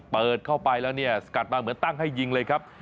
เปิดเข้าไปแล้วเนี่ยสกัดมาเหมือนตั้งให้ยิงเลยครับ